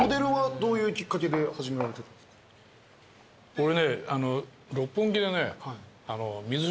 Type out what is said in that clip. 俺ね。